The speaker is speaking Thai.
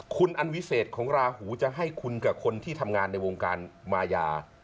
คุณอันวิเศษของราหูจะให้คุณกับคนที่ทำงานในวงการมายา